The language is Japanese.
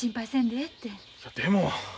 でも。